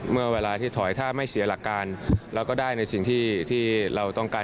เมื่อเวลาที่ถอยถ้าไม่เสียหลักการเราก็ได้ในสิ่งที่เราต้องการ